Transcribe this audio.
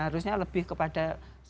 harusnya lebih kepada soal